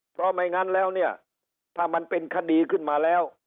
เพราะไม่งั้นแล้วเนี่ยถ้ามันเป็นคดีขึ้นมาแล้ว